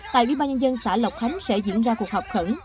tại ủy ban nhân dân xã lộc khánh sẽ diễn ra cuộc họp khẩn